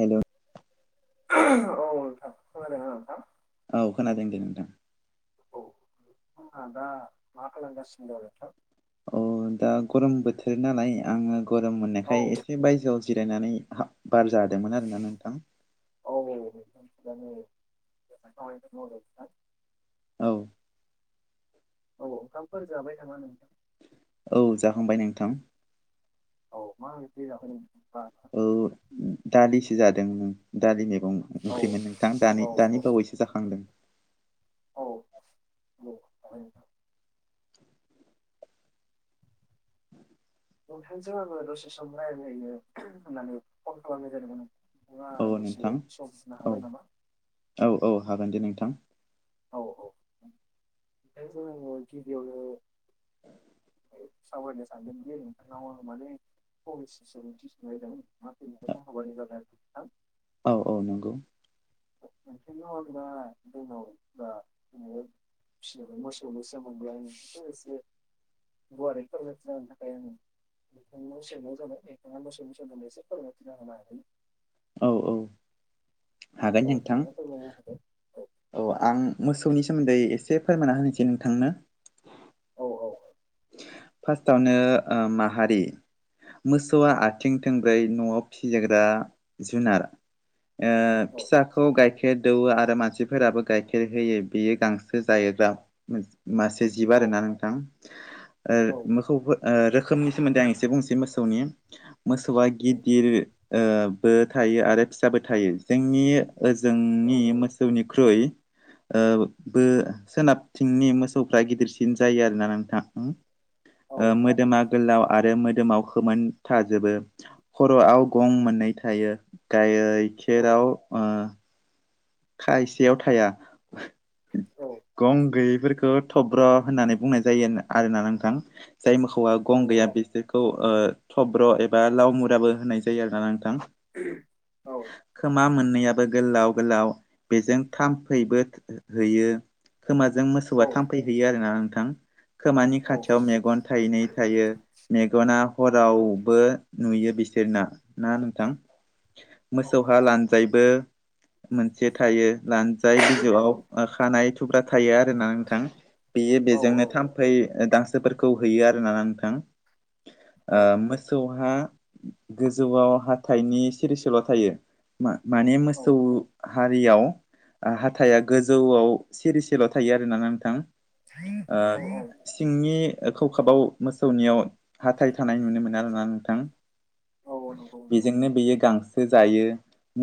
Hello औ नोंथाङा खोनादों ना नोंथाङा। औ खोनादों दे नोंथां। औ दा मा खालामगासिनो दं नोंथां? अ दा गरम बोथोर नालाय आङो गरम औ मोननायखाय एसे बायजोआवसो जिरायनानै हा बार जादोंमोन आरोना नोंथां। औ औ नोंथां थिग आनो नोंथाङा जोंहा सावरायनो दं नोंथाङा। औ। औ ओंखामफोर जाबाय नामा नोंथां। औ जाखांबाय नोंथां। औ मा ओंख्रिखौ जाखोन नोंथाङा। औ दालिसो जादों दालि मैगं। औ ओंखैमोन नोंथां औ दानि दानि बावैसो जाखांदों। औ। औ नोंथांजों आङो दसे सम रायहनो होननानै फन खालामनाय जादोंमोन। नोंथाङा औ नोंथां दसे सम होननो औ हागोन नामा। औ औ हागोन दे नोंथां। औ औ ओमफ्राय जोंङो गिबियावनो सावरायनो सानदों दे नोंथांनाव आरो मानो [inaudible] औ औ नंगौ। नो [unintelligible] [unintelligible] गुवारै फोरमायथिना होनो थाखै [unintelligible] औ औ हागोन नोंथां फोरमायनो हागोन औ आं मोसौनि सोमोन्दै एसे फोरमायना होनोसै नोंथांनो औ औ फार्स्टावनो माहारि मोसौआ आथिं थोंब्रोय न'आव फिजाग्रा जुनार। ओ फिसाखौ गाइखेर दोवो आरो मानसि फोराबो गाइखेर होयो बेयो गांसो जायोग्रा मासे जिबा आरोना नोंथां ओ औ मोसौ रोखोमनि सोमोन्दै आं एसे बुंनोसै मोसौनि मोसौआ औ गिदिर बो थायो आरो फिसाबो थायो जोंनि ओ औ जोंनि मोसौनिख्रुइ बो सोनाबथिंनि मोसौफ्रा गिदिरसिन जायो आरोना नोंथां औ ओ मोदोमा गोलाव आरो मोदोमाव खोमोन थाजोबो। खर'आव गं मोननै थायो गाइखेराव ओ खायसेयाव थाया औ गं गैयैफोरखौ थब्र' होननानै बुंनाय जायो आरोना नोंथां जाय मोसौआ गं गैया बिसोरखौ थब्र' एबा लाव मुराबो होनाय जायो आरो ना नोंथां। औ खोमा मोननैयाबो गोलाव गोलाव बेजों थाम्फैबो हैयो खोमाजों मोसौआ थाम्फै हैयो आरोना नोंथां। खोमानि औ खाथियाव मेगन थायनै थायो मेगना हरावबो नुयो बिसोरना ना नोंथां औ औ मोसौहा लानजायबो एसे थायो लानजाय बिजौआव खानाय थुब्रा थायो आरोोना नोंथां। बेयो औ बेजोंनो औ थाम्फै दांसो फोरखौ हैयो आरो ना नोंथां। औ मोसौहा गोजौआव हाथाइनि सिरिसल' थायो। मा माने औ मोसौ हारियाव हाथाया गोजौआव सिरिसेल' थायो आरोना नोंथां। ओ औ-औ सिंनि खखाबाव मोसौनियाव हाथाय थानाय नुनो मोनो आरोना नोंथां। औ नंगौ नोंथां बेजोंनो बेयो गांसो जायो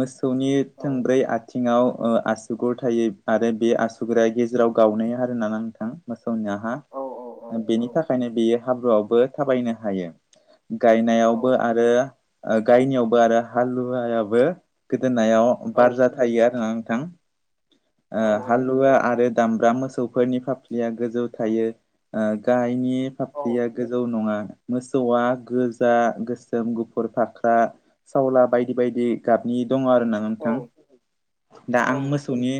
मोसौनि औ थोंब्रै आथिङाव आसुगुर थायो आरो बे आसुगुरा गेजेराव गावनाय आरोना नोंथां। मोसौनियाहा औ औ बेनि थाखायनो बेयो हाब्रुआवबो थाबायनो हायो। औ गायनायावबो आरो गायनायावबो आरो हालुवायाबो गोदोनायाव औ बारजा थायो आरोना नोंथां ओ औ हालुवा आरो दामब्रा मोसौफोरनि फाफ्लिया गोजौ थायो गायनि फाफ्लिया औ गोजौ नङा मोसौआ गोजा गोसोम गुफुर फाख्रा सावला बायदि बायदि गाबनि दङ आरोना नोंथां। औ दा आं मोसौनि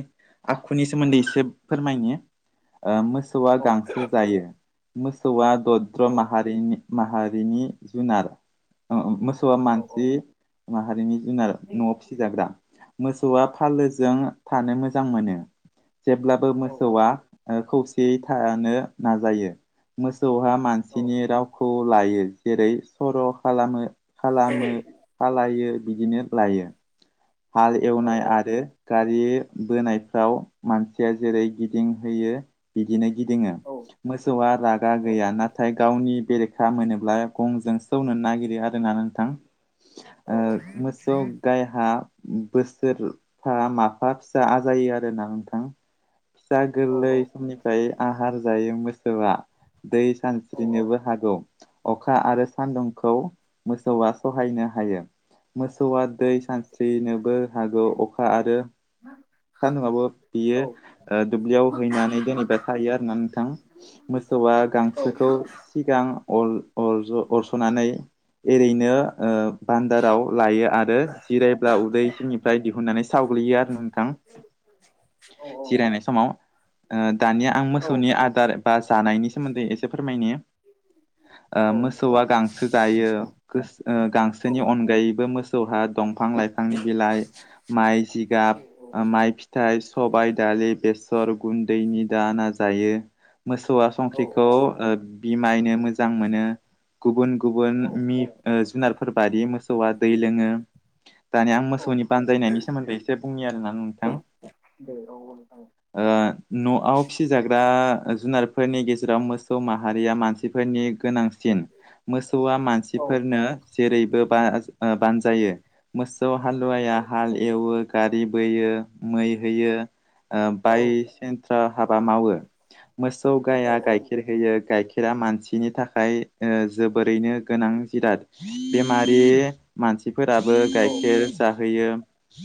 आखुनि सोमोन्दै एसे फोरमायनि ओ मो मोसौआ गांसो जायो मोसौआ दद्र माहारिनि माहारिनि जुनार मोसौआ मानसि माहारिनि जुनार न'आव फिसिजाग्रा मोसौआ फालोजों थानो मोजां मोनो जेब्लाबो औ मोसौआ ओ खौसेयै थानो नाजायो मोसौहा औ मानसिनि रावखौ लायो जेरै सर' खालामो खालामो खालायो बिदिनो लायो हाल एवनाय आरो गारि बोनायफ्राव मानसिया जेरै गिदिंहोयो बिदिनो गिदिङो मोसौआ रागा गैया नाथाय गावनि बेरेखा मोनोब्ला गंजों सौनो नागिरो आरोना नोंथां ओ मोसौ गायहा बोसोरफा माफा फिसा आजायो आरोना नोंथां फिसा गोरलैनिफ्राय आहार जायो मोसौआ मोसौआ दै सानस्रिनोबो हागौ अखा आरो सान्दुंखौ मोसौआ सहायनो हायो मोसौआ दै औ सानस्रिनोबो हागौ अखा आरो सानदोंबाबो बियो दुब्लियाव हैनानै जेनेबा थायो आरोना नोंथां मोसौआ गांसोखौ सिगां अर अरस'नानै एरैनो ओ बान्दाराव लायो आरो जिराय जिरायबा उदै सिंनिफ्राय दिहुननानै सावग्ललियो आरो नोंथां जिराय जिरायनाय समाव ओ दानिया आं मोसौनि आदार बा जानायनि सोमोन्दै एसे फोरमायनो ओ मोसौआ गांसो जायो गोस ओ गांसोनि अनगायैबो मोसौहा दं दंफांनि बिलाइ माइ जिगाब माइ फिथाइ सबाइ दालि बेस र गुन्दैनि दाना जायो मोसौआ संख्रिखौ बिमायनो मोजां मोनो गुबुन गुबुन मि ओ जुनारफोर बायदि मोसौआ दै लोङो दानिया आं मोसौनि बानजायनायनि सोमोन्दै एसे बुंनि आरोना नोंथां दे औ ओ [inaudible] न'आव फिसिजाग्रा जुनारफोरनि गेजेराव मोसौ माहारिया मानसिफोरनि गोनां मोसौआ औ मानसिफोरनो जेरैबो बा बानजायो मोसौ औ हालुवाया हाल एवो गारि बोयो मै होयो औ बाय सेन्थ्रा हाबा मावो मोसौ औ गाया औ गायखेर गाइखेर होयो गाइखेरा मानसिनि थाखाय ओ जोबोरैनो गोनां जिराद बेमारि मानसिफोराबो बो गाइखेर जाहोयो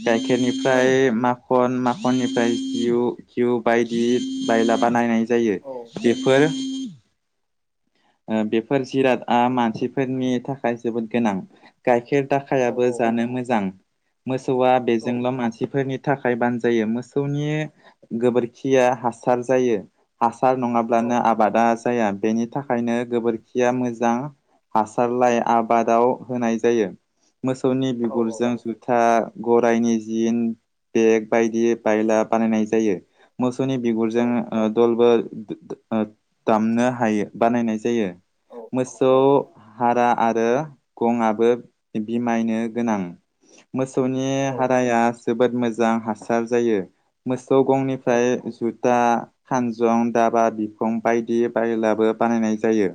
गाइखेरनिफ्राय माखन माखन माखननिफ्राय जिउ घिउ बायदि बायला बानायनाय जायो बेफोर ओ बेफोर जिरादआ मानसिफोरनि थाखाय जोबोद गोनां गाइखेर दाखायाबो जानो मोजां मोसौआ बेजोंल' मानसिफोरनि थाखाय बानजायो मोसौनि गोबोरखिया हासार जायो हासार नङाब्लानो आबादा जाया बेनि थाखाय थाखायनो गोबोरखिया मोजां हासार लाय आबादाव होनाय जायो मोसौनि औ औ बिगुरजों जु जुटा गराइनि जिन बेग बायदि बायला बानायनाय जायो मोसौनि औ बिगुरजों ओ दलबो दामनो हायो बानायनाय जायो औ मोसौ हारा आरो गंआबो बिमायनो गोनां मोसौनि हाराया जोबोद मोजां हासार जायो मोसौ गंनिफ्राय दा खानजं दाबा बिफं बायदि बायलाबो बानायनाय जायो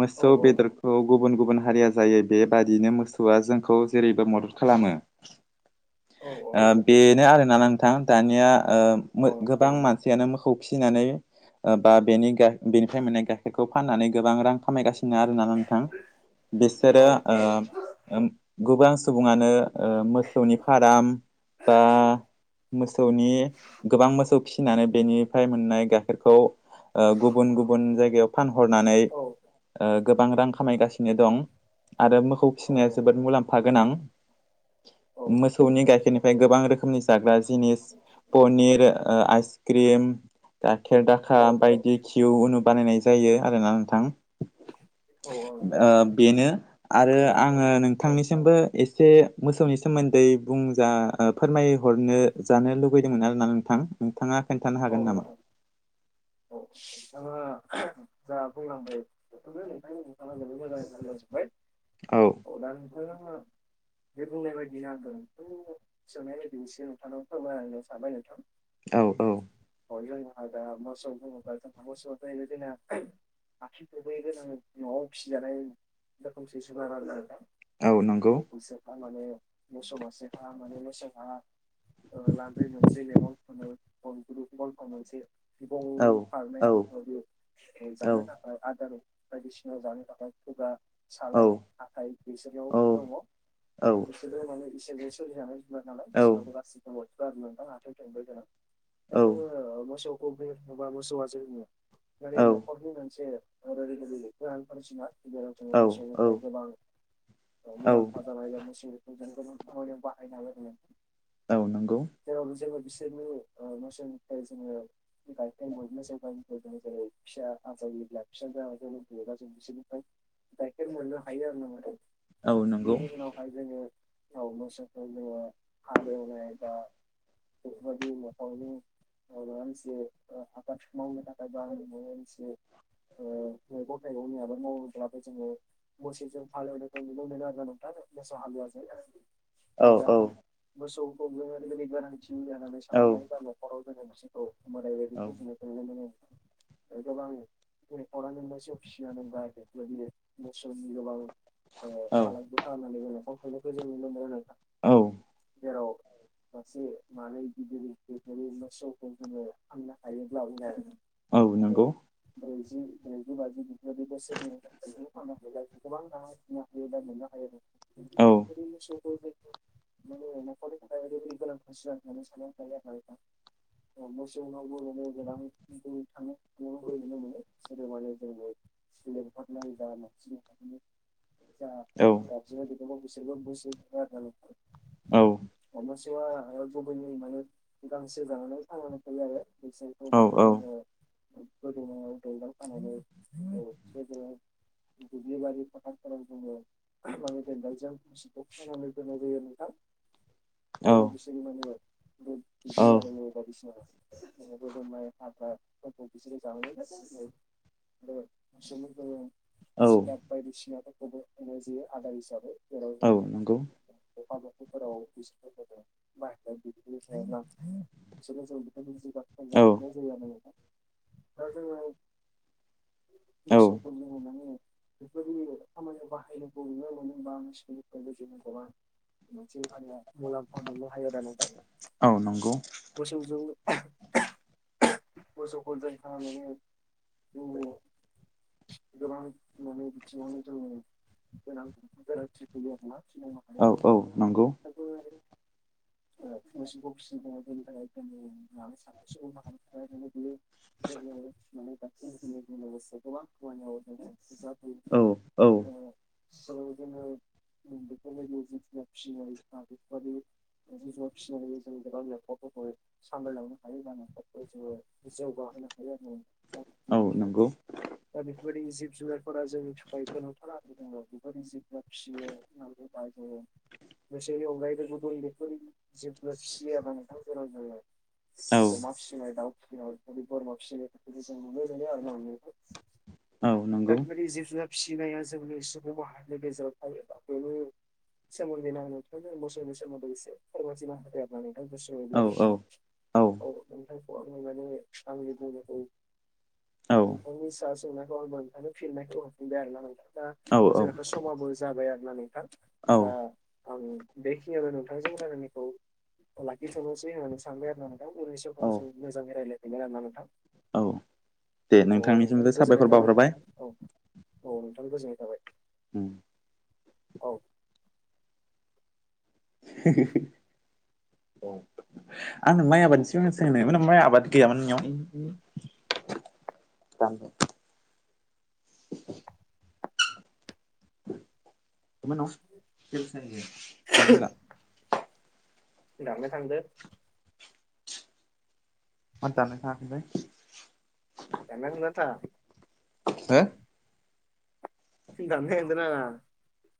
मोसौ बेदर खौ गुबुन गुबुन हारिया जायो बेबादिनो मोसौआ जोंखौ जेरैबो मदद खालामो [inaudible] औ ओ बेनो आरोना नोंथां दानिया औ ओ नोंथां गोबां मान सियानो मोखौ फिनानै ओ बा बेनि गा बेनिफ्राय मोननाय खौ फाननानै गोबां रां खामायगासिनो नो आरोना नोंथां बिसोरो औ ओ ओम गोबां सुबुङानो ओ मोसौनि फार्म बा मोसौनि गोबां मोसौ फिसिनानै बेनिफ्राय मोननाय गाइखेरखौ ओ गुबुन गुबुन जायगायाव फानहरनानै औ ओ गोबां रां खामायगासिनो दं। आरो मोखौ औ नोंथां औ फिसिनाया जोबोद मुलाम्फा गोनां। मोसौनि गाइखेरनिफ्राय गोबां रोखोमनि जाग्रा जिनिस पनिर ओ आइस क्रिम गाइाखेर दाखा बायदि खिउ उनु बानायनाय जायो आरोना नोंथां औ नोंथां ओ बेनो आरो आङो नोंथांनिसिमबो एसे मोसौनि सोमोन्दै बुंजा ओ फोरमाय हरनो जानो लुबैदोंमोन आरोना नोंथां नोंथाङा खोन्थानो हागोन नामा? औ नोंथाङा जा बुंलांबाय [unintelligible] औ [unintelligible] [unintelligible] औ औ [unintelligible] आथिं थोंब्रै गोनां नवाव पिजानाय रोखोमसे जुनार आरोना नोंथां। औ नंगौ। हामाने मोसौ मासे [unintelligible] ओ ला बै मोनसे मेबआव [unintelligible] मोनसे बिबौ औ फारनै औ बेफोरबादि औ जानो थाख खाय आदार बायदिसिना जानो थाखाय खुगा औ सालाय हाथाय बिसोरनियाव औ दङ औ बिसोरो माने इसोरनो सोरजिनाय मोन नालाय औ बिसनावबो गासिबनावबो थु आरो नोंथां आखाइ थोंब्रै गोनां दा जोङो ओ मोसौखौ बे बुबा मोसौआ जोंनो मानि न [unintelligible] जेराव जोङो औ मोसौनिफ्राय गोबां ओ औ मुलाम्फा जानाय बा मोनसे [unintelligible] औ नंगौ जेराव जोङो बिसोरनि ओ मोसौनिफ्राय जोङो गाइ [unintelligible] गायखेर मोननो हायो आरोना नोंथां औ नंगौ बेनि उनाव हाय जोङो उनाव मोसौखौ जोङो हालौनाय बा [unintelligible] आबाद मावनो थाखाय बाहायनाय जायो होन्नानै मिथियो ओ मैगं थाइगंनि आबाद मावोब्लाबो जोङो मोसौजों हालौनायखौ नुनो मोनो आरोना नोंथां मोसौ हालुवाजों औ दा मोसौखौ जों ओरैबादि गोनांथि जानानै औ साननानै लायो गामियाव हराव जोङो [unintelligible] औ ओ गोबां [unintelligible] मोसौनि गोबां ओ औ फालांगि खालामनानै जोङो [unintelligible] जों नुनो मोनो नोंथां। औ जेराव मासे मानै गिदिर गिदिर मोसौखौ जोङो फान्ना हायोब्ला उने औ नोंगौ ब्रैजि ब्रैजि बाजि बिदिनो बे बोसोर औ [unintelligible] [unintelligible] [unintelligible] औ मोसौ नावबो नो गोनां [unintelligible] [unintelligible] जा औ गाबज्रिनाय बिगोमा बैसोरबो [unintelligible] औ अ मोसौवआ ओ गुबैयै माने गांसो जानानै थांनानै थायो आरो बेसे औ माने जोङो गोदोनायाव दौलें खानानै [unintelligible] दुब्लिबारि फोथार फोराव जोङो [unintelligible] मोसौखौ खानानै दोन्नाय जायो आरो नोंथां जेराव बिसिनि‌ [unintelligible] दुब्लि औ बारिनि बायदिसिना [unintelligible] आरो मोसौनो जोङो औ जिगाब बायदिसिनाफोरखौबो होनाय जायो आदार हिसाबै जेराव औ जोङो नंगौ ओंखाम ओंख्रिफोराव बिसफोरबो दं [unintelligible] [unintelligible] दा औ जोंनाव औ मोसौखौ लिंहरनानै बेफोरबायदि खामानियाव बाहायनांगौ [unintelligible] मोनसे हानिया मुलाम्फा मोननो हायो आना नोंथां। औ नंगौ। मोसौ जोंनो मैसौखौ जों खानानैनो जोंनि गोबां ननि बिथिंआवनो जोंनि गोनां [unintelligible] औ औ नंगौ। [unintelligible] सुबुं माहारिनि थाखाय ओरैनो बेयो [unintelligible] इन्टारनेटनि लोगोसे गोबां खामानियाव बिदिनो बिजाब औ औ ओं जोङो उम बेफोर बायदिनो जिब-जुनार [unintelligible] इदिनो जुनार फिसिनाबो जों गोबां न'खरफोरखौहाय सामलायलाङो। [unintelligible] जौगा होनो हायो आरो उम औ नोंगौ। दा बेफोर बायदि जिब-जुनारफोरा जोंनि थाखाय गोनांथार आरो [unintelligible] [unintelligible] बेसोरनि अनगायैबो गुबुन बेफोर [unintelligible] औ अमा फिसिनाय दाउ फिसिनाय [unintelligible] औ दा नंगौ बेबायदि जिब-जुनार फिसिनाया जोंनि सुबुं माहारिनि गेजेराव थायोबा बेबो [unintelligible] औ औ [unintelligible] जायखौ आङो माने आंनि बुंनायखौ नोंथां सा सोंनायखौ फिननायखौ हरफिनबाय आरोना नोंथां दा औ जोंहाथ' समाबो जाबाय आरोना नोंथां। औ दा आं बेखिनियावनो नोंथांजों रायलायनायखौ लाखिथ'नोसै होननानै सानबाय आरो ना नों थां उननि समाव जों मोजाङै रायलायफिनगोन आरोना नोंथां। औ दे अ नोंथां नोंथांनिसिमबो गोजोननाय साबायखर थाबाय बावहरबाय औ औ नोंथां गोजोननाय थाबाय। उम औ [inaudible] आंनो माइ आबादनि सिगां सोंनायमोन माइ आबाद गैयामोन नोंनियाव दान [inaudible] दाननाय थांदो मा दान्नाय थांङाखैलै दाननाय थांदोना थाङा? हो दान्नाय थांदोना मा